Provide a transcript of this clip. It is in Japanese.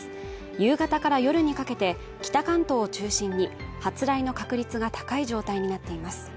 夕方から夜にかけて、北関東を中心に発雷の確率が高い状態になっています。